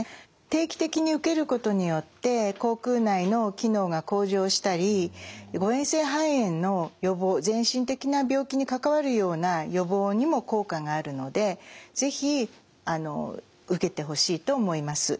定期的に受けることによって口腔内の機能が向上したり誤嚥性肺炎の予防全身的な病気に関わるような予防にも効果があるので是非受けてほしいと思います。